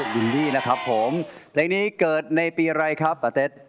ยินดีนะครับผมเพลงนี้เกิดในปีอะไรครับป่าเต็ด